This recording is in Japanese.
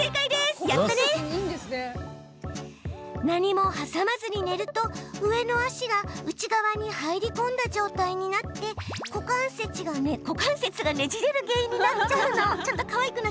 何も挟まずに寝ると上の足が内側に入り込んだ状態になって股関節がねじれる原因になっちゃうの。